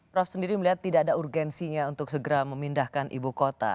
prof sendiri melihat tidak ada urgensinya untuk segera memindahkan ibu kota